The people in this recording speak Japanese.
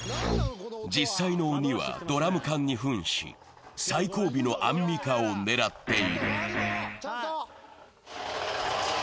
実際の鬼はドラム缶に扮し最後尾のアンミカを狙っている。